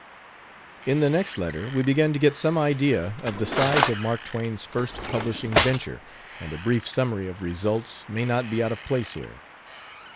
In the next letter we begin to get some idea of the size of Mark Twain's first publishing venture, and a brief summary of results may not be out of place here.